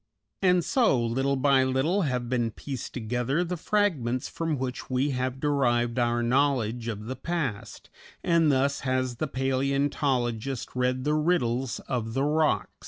And so, little by little, have been pieced together the fragments from which we have derived our knowledge of the past, and thus has the palæontologist read the riddles of the rocks.